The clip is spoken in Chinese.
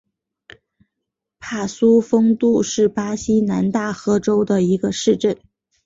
帕苏丰杜是巴西南大河州的一个市镇。